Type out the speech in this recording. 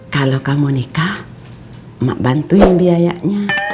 kalau kamu nikah bantuin biayanya